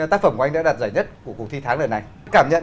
tác phẩm của anh đã đạt giải nhất của cuộc thi tháng lần này